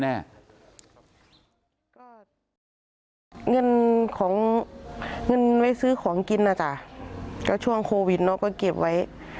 เงินของเงินไว้ซื้อของกินนะจ๊ะก็ช่วงโควิดเนาะก็เก็บไว้